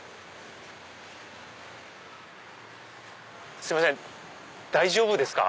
すいません大丈夫ですか？